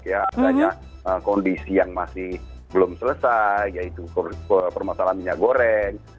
adanya kondisi yang masih belum selesai yaitu permasalahan minyak goreng